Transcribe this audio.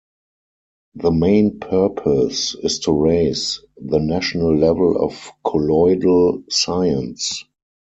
The main purpose is to raise the national level of colloidal science.